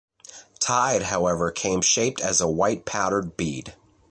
Tide, however, came shaped as a white powdered bead.